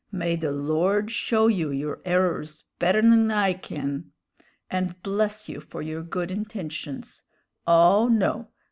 May the Lord show you your errors better'n I kin, and bless you for your good intentions oh, no!